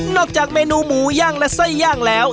จากเมนูหมูย่างและไส้ย่างแล้ว